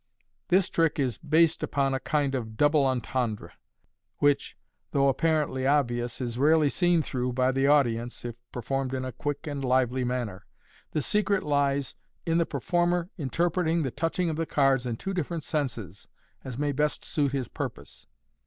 This trick is based upon a kind of double entendre, which, though apparently obvious, is rarely seen through by the audience if per formed in a quick and lively manner. The secret lies in the per former interpreting the touching of the cards in two different senses, as may best suit his purpose.